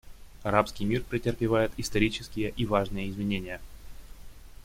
Арабский мир претерпевает исторические и важные изменения.